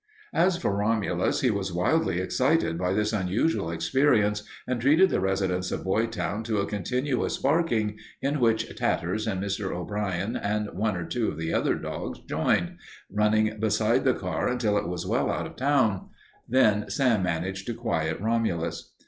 As for Romulus, he was wildly excited by this unusual experience, and treated the residents of Boytown to a continuous barking, in which Tatters and Mr. O'Brien and one or two of the other dogs joined, running beside the car until it was well out of town. Then Sam managed to quiet Romulus.